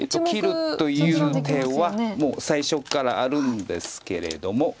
切るという手はもう最初からあるんですけれども。